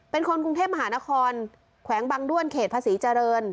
เป็นคนกรุงเทพมหานครแขวงบางด้วนเขตภาษีเจริญ